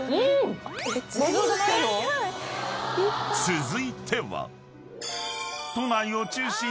［続いては］